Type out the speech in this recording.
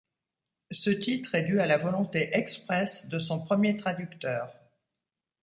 Ce titre est dû à la volonté expresse de son premier traducteur.